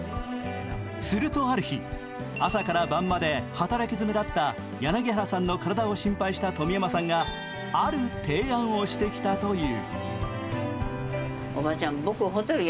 するとある日、朝から晩まで働きづめだった柳原さんの体を心配した富山さんが、ある提案をしてきたという。